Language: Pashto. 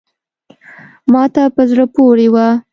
ما ته په زړه پوري وه …